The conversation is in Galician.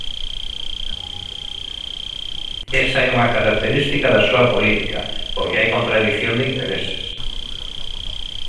Esa é unha característica da súa política, porque hai contradición de intereses.